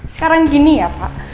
sekarang gini ya pak